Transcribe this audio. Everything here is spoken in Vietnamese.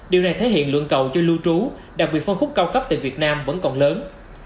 điều này thể hiện lượng cầu cho lưu trú đặc biệt phân khúc cao cấp tại việt nam vẫn còn lớn